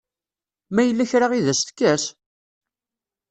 Ma yella kra i d as-tekkes?